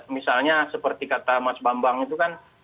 misalnya seperti kata mas bambang itu kan